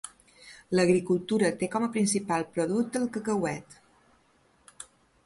L'agricultura té com a principal producte el cacauet.